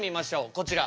こちら。